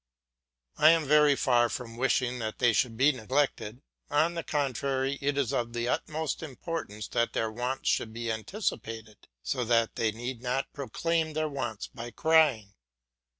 I am very far from wishing that they should be neglected; on the contrary, it is of the utmost importance that their wants should be anticipated, so that they need not proclaim their wants by crying.